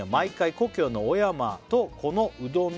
「故郷の小山とこのうどんに」